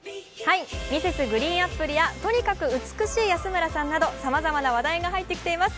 Ｍｒｓ．ＧＲＥＥＮＡＰＰＬＥやとにかく明るい安村さんなどさまざまな話題が入ってきています。